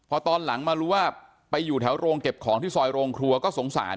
พอตอนหลังมารู้ว่าไปอยู่แถวโรงเก็บของที่ซอยโรงครัวก็สงสาร